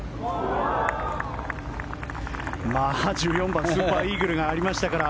１４番、スーパーイーグルがありましたから。